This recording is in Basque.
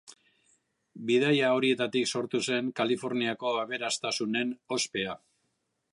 Bidaia horietatik sortu zen Kaliforniako aberastasunen ospea.